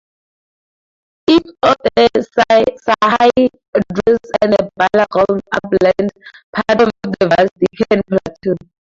East of the Sahyadris is the Balaghat upland, part of the vast Deccan plateau.